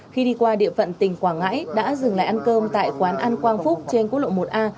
khi đi qua địa phận tỉnh quảng ngãi đã dừng lại ăn cơm tại quán ăn quang phúc trên quốc lộ một a